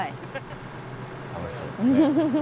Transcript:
楽しそうですね。